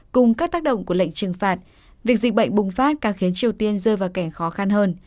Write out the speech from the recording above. cùng các tác động của lệnh trừng phạt việc dịch bệnh bùng phát càng khiến triều tiên rơi vào cảnh khó khăn hơn